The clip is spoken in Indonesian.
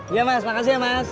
ya mas makasih ya mas